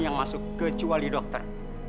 yang masuk kecuali dokter